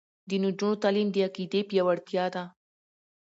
د نجونو تعلیم د عقیدې پیاوړتیا ده.